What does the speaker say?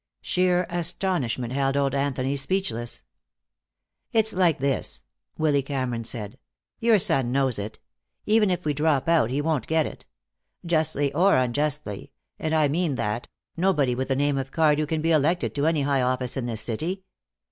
Sheer astonishment held old Anthony speechless. "It's like this," Willy Cameron said. "Your son knows it. Even if we drop out he won't get it. Justly or unjustly and I mean that nobody with the name of Cardew can be elected to any high office in this city.